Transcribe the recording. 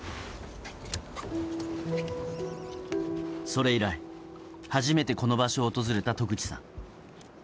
それ以来、初めてこの場所を訪れた渡口さん。